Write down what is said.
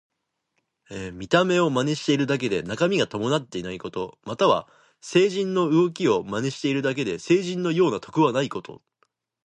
見た目を真似しているだけで中身が伴っていないこと。または、聖人の動きを真似しているだけで聖人のような徳はないこと。